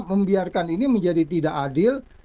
membiarkan ini menjadi tidak adil